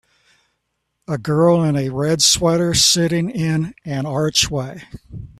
A girl in a red sweater sitting in an archway